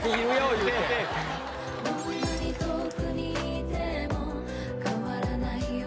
いうてどんなに遠くにいても変わらないよ